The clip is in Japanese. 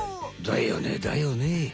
だよねだよね？